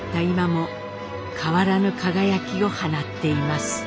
今も変わらぬ輝きを放っています。